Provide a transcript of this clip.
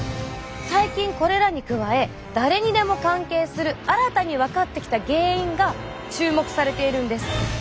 最近これらに加え誰にでも関係する新たに分かってきた原因が注目されているんです。